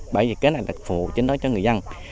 bởi vì kế này là phổ chính đó cho người dân